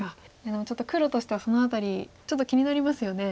でもちょっと黒としてはその辺りちょっと気になりますよね。